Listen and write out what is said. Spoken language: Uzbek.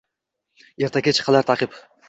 Erta-kech qilar taʼqib.